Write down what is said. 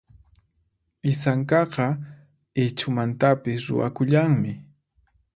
Isankaqa Ichhumantapis ruwakullanmi.